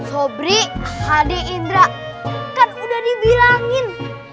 sobri hadi indra kan udah dibilangin